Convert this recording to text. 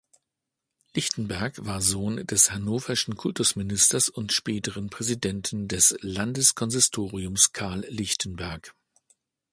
Lichtenberg war Sohn des hannoverschen Kultusministers und späteren Präsidenten des Landeskonsistoriums Carl Lichtenberg.